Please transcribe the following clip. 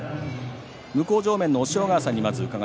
向正面の押尾川さん